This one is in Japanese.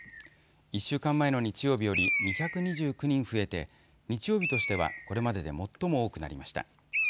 １週間前の日曜日より２２９人増えて日曜日としてはこれまでで最も多くなりました。